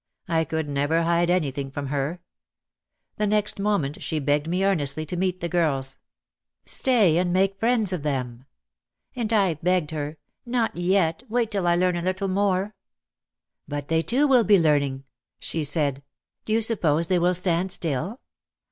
I could never hide anything from her. The next moment she begged me earnestly to meet the girls. "Stay and make friends of them." And I begged her, "Not yet, wait till I learn a little more." "But they too will be learning," she said. "Do you suppose they will stand still